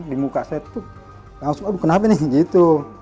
di muka saya tuh langsung aduh kenapa nih gitu